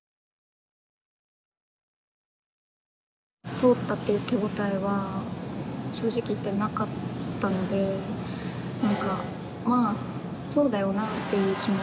通ったっていう手応えは正直言ってなかったので何かまあそうだよなっていう気持ち。